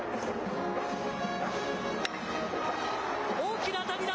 大きな当たりだ。